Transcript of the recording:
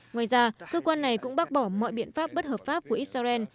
ngoài ra cơ quan này cũng bác bỏ mọi biện pháp bất hợp pháp của israel